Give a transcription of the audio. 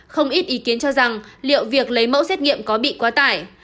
không ít ý kiến cho rằng liệu việc lấy mẫu xét nghiệm có bị quá tải